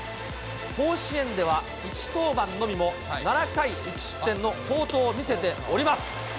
甲子園では１登板のみも、７回１失点の好投を見せております。